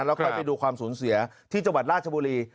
แล้วใครไปดูความสูญเสียที่จังหวัดราชบุรี